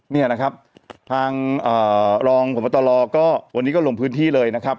เนี่ยนะครับทางรองพบตรก็วันนี้ก็ลงพื้นที่เลยนะครับ